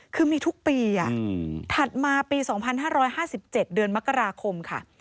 คือมีทุกปีถัดมาปี๒๕๕๗เดือนมกราคมค่ะ